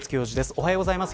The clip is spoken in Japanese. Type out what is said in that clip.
おはようございます。